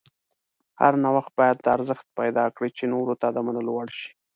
هر نوښت باید ارزښت پیدا کړي چې نورو ته د منلو وړ شي.